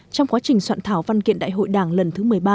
trong quá trình soạn thảo văn kiện đại hội đảng lần thứ một mươi ba